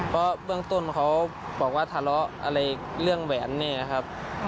เพราะเบื้องต้นเขาบอกว่าทะเลาะอะไรเรื่องแหวนเนี่ยนะครับ